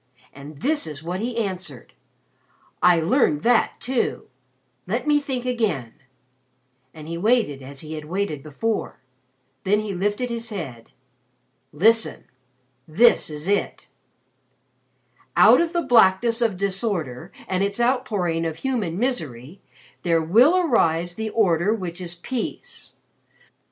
And this is what he answered. I learned that too. Let me think again," and he waited as he had waited before. Then he lifted his head. "Listen! This is it: "_'Out of the blackness of Disorder and its outpouring of human misery, there will arise the Order which is Peace.